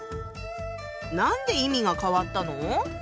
何で意味が変わったの？